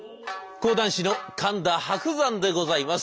講談師の神田伯山でございます。